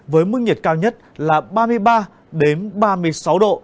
với mức nhiệt cao nhất là ba mươi ba ba mươi sáu độ